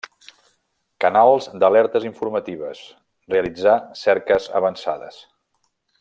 Canals d'alertes informatives, Realitzar cerques avançades.